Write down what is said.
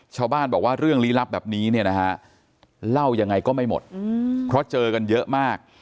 ชาวบ้านบอกว่าเรื่องลี้ลับแบบนี้เนี่ยนะฮะเล่ายังไงก็ไม่หมดเพราะเจอกันเยอะมาก